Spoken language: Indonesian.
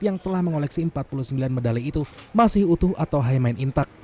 yang telah mengoleksi empat puluh sembilan medali itu masih utuh atau high main intak